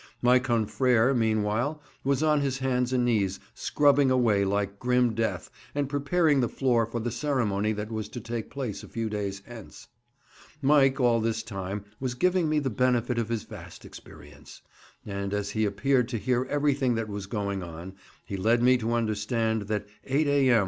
My confrère, meanwhile, was on his hands and knees, scrubbing away like grim death, and preparing the floor for the ceremony that was to take place a few days hence. Mike all this time was giving me the benefit of his vast experience; and as he appeared to hear everything that was going on, he led me to understand that eight A.M.